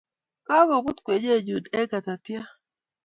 Kagobut kwenyenyu eng ngatatya